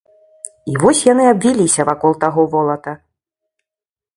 І вось яны абвіліся вакол таго волата.